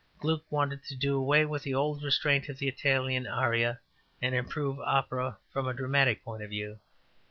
Gluck wanted to do away with the old restraint of the Italian aria, and improve opera from a dramatic point of view.